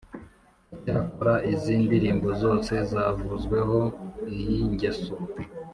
icyakora izi ndirimbo zose zavuzweho iyi ngeso